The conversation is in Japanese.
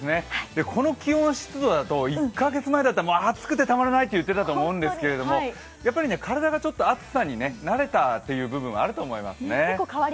この気温、湿度だと１カ月前だったら暑くてたまらないと言っていたと思うんですがやっぱりね体がちょっと暑さに慣れたという部分あると思いますね。